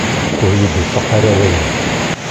Ur yi-d-iṣaḥ ara wawal.